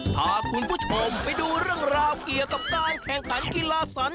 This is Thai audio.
พาคุณผู้ชมไปดูเรื่องราวเกี่ยวกับการแข่งขันกีฬาสัน